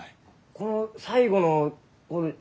この最後のこれ。